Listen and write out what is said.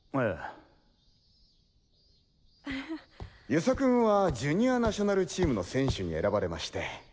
遊佐君はジュニアナショナルチームの選手に選ばれまして。